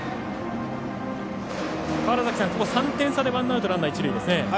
ここは３点差でワンアウトランナー、一塁ですね。